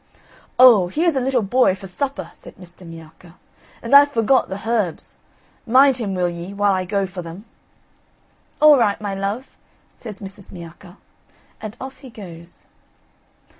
"Oh, here's a little boy for supper," said Mr. Miacca, "and I've forgot the herbs. Mind him, will ye, while I go for them." "All right, my love," says Mrs. Miacca, and off he goes.